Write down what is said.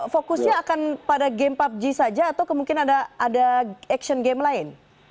fokusnya akan pada game pubg saja atau kemungkinan ada action game lain